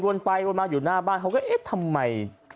ไปวนมาอยู่หน้าบ้านเขาก็เอ๊ะทำไม